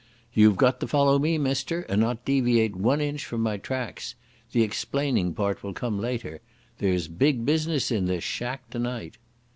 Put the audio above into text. "You've got to follow me, mister, and not deviate one inch from my tracks. The explaining part will come later. There's big business in this shack tonight."